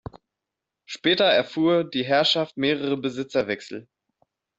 Später erfuhr die Herrschaft mehrere Besitzerwechsel.